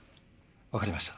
わかりました。